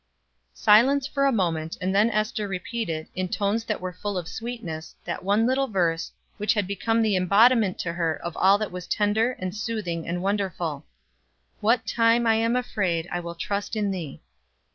Silence for a moment, and then Ester repeated, in tones that were full of sweetness, that one little verse, which had become the embodiment to her of all that was tender, and soothing and wonderful: "What time I am afraid I will trust in thee."